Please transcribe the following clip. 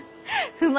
不満？